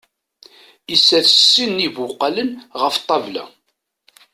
Isres sin n ibuqalen ɣef ṭṭabla.